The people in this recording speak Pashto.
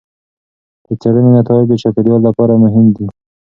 د څېړنې نتایج د چاپیریال لپاره مهم دي.